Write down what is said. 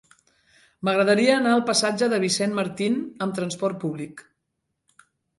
M'agradaria anar al passatge de Vicent Martín amb trasport públic.